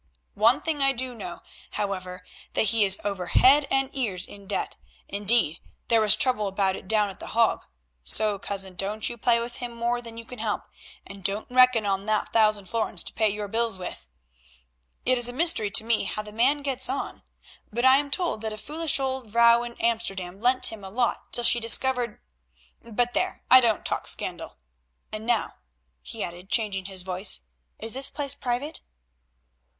One thing I do know, however, that he is over head and ears in debt; indeed, there was trouble about it down at The Hague. So, cousin, don't you play with him more than you can help, and don't reckon on that thousand florins to pay your bills with. It is a mystery to me how the man gets on, but I am told that a foolish old vrouw in Amsterdam lent him a lot till she discovered—but there, I don't talk scandal. And now," he added, changing his voice, "is this place private?"